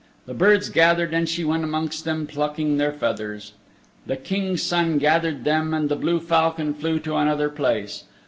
The birds gathered, and she went amongst them, plucking their feathers. The King's Son gathered them and the blue falcon flew to another place.